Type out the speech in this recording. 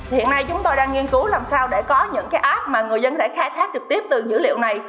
hiện nay chúng tôi đang nghiên cứu làm sao để có những cái app mà người dân có thể khai thác trực tiếp từ dữ liệu này